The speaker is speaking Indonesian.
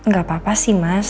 gak apa apa sih mas